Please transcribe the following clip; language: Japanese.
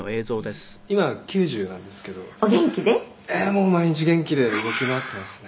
もう毎日元気で動き回っていますね」